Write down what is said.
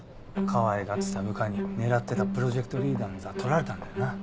かわいがってた部下に狙ってたプロジェクトリーダーの座取られたんだよな。